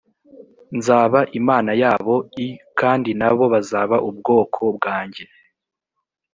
nzaba imana yabo i kandi na bo bazaba ubwoko bwanjye